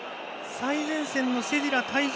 最前線のシェディラ、退場。